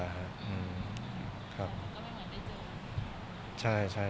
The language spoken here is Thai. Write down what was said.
แล้วมันเหมือนได้เจอ